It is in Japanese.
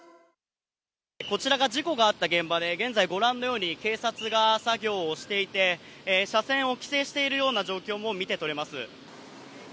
こちらが事故があった現場で、現在、ご覧のように警察が作業をしていて、車線を規制しているような状況も見てとれます。